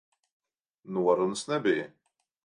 Norunas nebija.